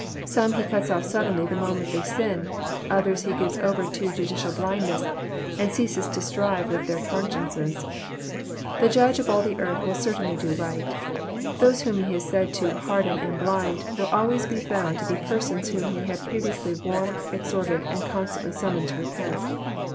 Some He cuts off suddenly the moment they sin. Others He gives over to judicial blindness, and ceases to strive with their consciences. " The Judge of all the earth will certainly do right." Those whom He is said to " harden and blind " will always be found to be persons whom He had previously warned, exhorted, and constantly summoned to repent.